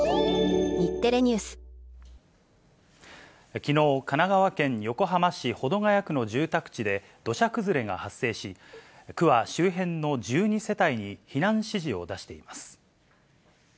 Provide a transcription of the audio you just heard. きのう、神奈川県横浜市保土ケ谷区の住宅地で、土砂崩れが発生し、区は周辺の１２世帯に避難指示を出しています。